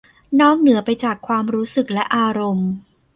นอกเหนือไปจากความรู้สึกและอารมณ์